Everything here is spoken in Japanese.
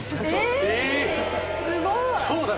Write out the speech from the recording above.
すごい！